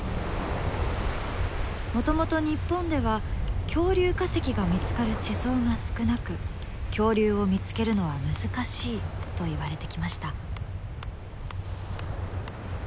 もともと日本では恐竜化石が見つかる地層が少なく恐竜を見つけるのは難しいといわれてきました。